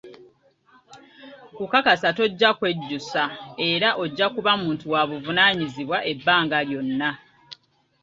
Nkukakasa tojja kwejjusa era ojja kuba muntu wa buvunaanyizibwa ebbanga lyonna.